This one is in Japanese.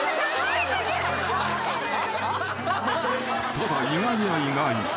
［ただ意外や意外］